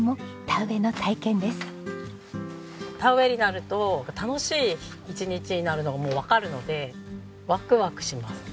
田植えになると楽しい１日になるのがもうわかるのでワクワクします。